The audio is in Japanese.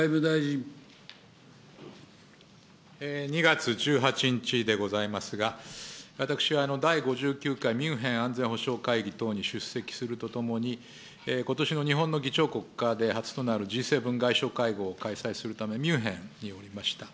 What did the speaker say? ２月１８日でございますが、私は第５９回ミュンヘン安全保障会議等に出席するとともに、ことしの日本の議長国で初となるＧ７外相会合を開催するため、ミュンヘンにおりました。